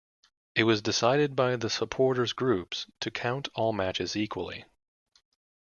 It was decided by the supporters groups to count all matches equally.